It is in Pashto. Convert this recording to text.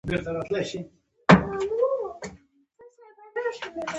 د هندو اشرافو نخرې دوی له عادي خلکو بېلول.